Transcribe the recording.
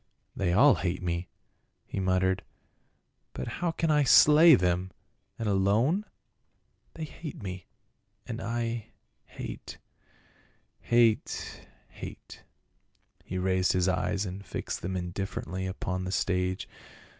" They all hate me," he muttered, " but how can I slay them, and alone ? They hate me ; and I — hate, hate, hate." He raised his eyes and fixed them indifferently upon the stage.